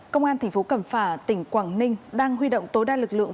công an tp cẩm phả tỉnh quảng ninh đang huy động tối đa lực lượng